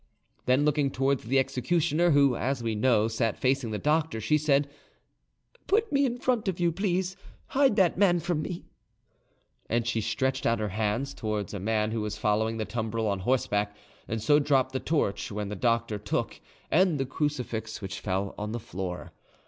Then, looking towards the executioner, who, as we know, sat facing the doctor, she said, "Put me in front of you, please; hide that man from me." And she stretched out her hands towards a man who was following the tumbril on horseback, and so dropped the torch, which the doctor took, and the crucifix, which fell on the floor.